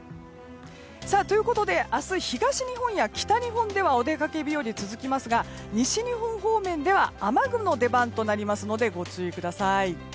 ということで、明日東日本や北日本ではお出かけ日和が続きますが西日本方面では雨具の出番となりますのでご注意ください。